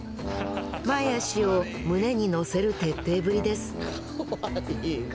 前足を胸に乗せる徹底ぶりですかわいいな！